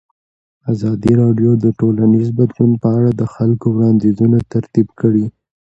ازادي راډیو د ټولنیز بدلون په اړه د خلکو وړاندیزونه ترتیب کړي.